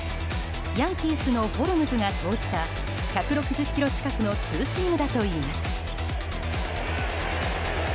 ヤンキースのホルムズが投じた１６０キロ近くのツーシームだといいます。